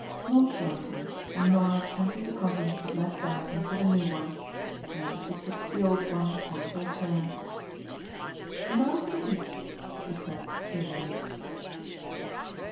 Nonchalantly Norah emptied the contents of the black bag into the new one. Then she pitched the old one onto a chair. "Now for the eats," she said cheerily.